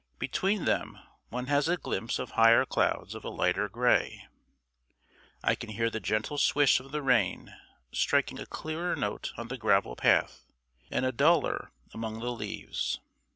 Between them one has a glimpse of higher clouds of a lighter gray. I can hear the gentle swish of the rain striking a clearer note on the gravel path and a duller among the leaves.